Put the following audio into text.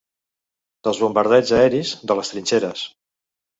Dels bombardeigs aeris, de les trinxeres